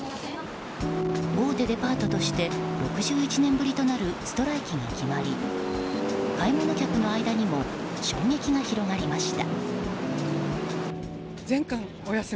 大手デパートとして６１年ぶりとなるストライキが決まり買い物客の間にも衝撃が広がりました。